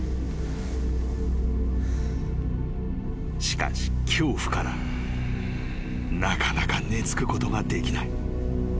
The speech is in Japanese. ［しかし恐怖からなかなか寝付くことができない］